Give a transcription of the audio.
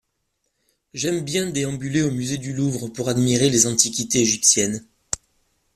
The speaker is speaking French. J’aime bien déambuler au musée du Louvre pour admirer les antiquités égyptiennes.